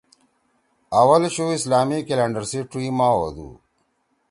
اوّل شُو اسلامی کیلنڈر سی ڇُوئی ماہ ہودُو۔